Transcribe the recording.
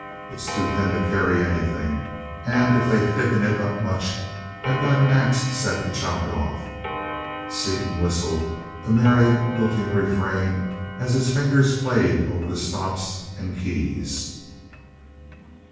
It's too thin to carry anything, and if they thicken it up much I've got an axe set to chop it off." Seaton whistled a merry lilting refrain as his fingers played over the stops and keys.